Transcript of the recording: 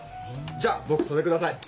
じゃあ僕それ下さい。